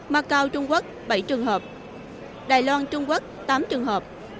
mắc cao trung quốc bảy trường hợp đài loan trung quốc tám trường hợp